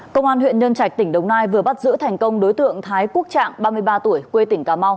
công an huyện nhân trạch tỉnh đồng nai vừa bắt giữ thành công đối tượng thái quốc trạng ba mươi ba tuổi quê tỉnh cà mau